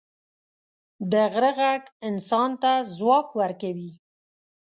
د غره ږغ انسان ته ځواک ورکوي.